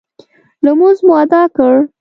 لمونځ مو اداء کړ.